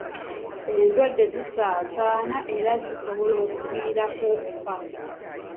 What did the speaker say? Endwadde zisaasaana era zisobola okuviirako okufa.